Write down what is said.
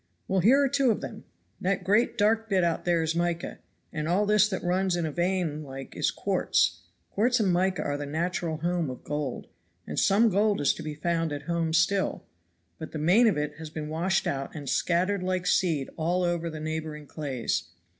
"Well, here are two of them. That great dark bit out there is mica, and all this that runs in a vein like is quartz. Quartz and mica are the natural home of gold; and some gold is to be found at home still, but the main of it has been washed out and scattered like seed all over the neighboring clays.